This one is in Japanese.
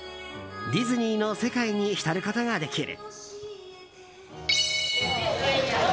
ディズニーの世界に浸ることができる。